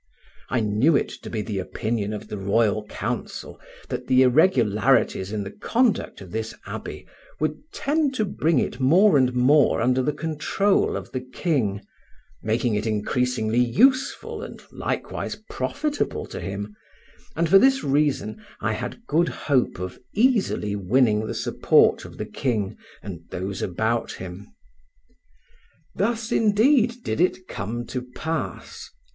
I knew it to be the opinion of the royal council that the irregularities in the conduct of this abbey would tend to bring it more and more under the control of the king, making it increasingly useful and likewise profitable to him, and for this reason I had good hope of easily winning the support of the king and those about him. Thus, indeed, did it come to pass.